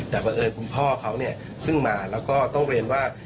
แต่บังเอิญคุณพ่อเขาเนี่ยซึ่งมาแล้วก็ต้องเรียนว่า